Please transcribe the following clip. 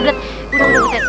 udah udah butet